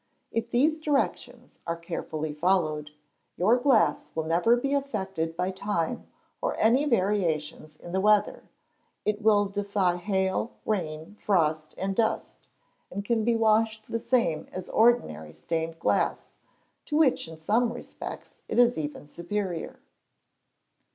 If these directions are carefully followed, your glass will never be affected by time or any variations in the weather; it will defy hail, rain, frost, and dust, and can be washed the same as ordinary stained glass, to which, in some respects, it is even superior.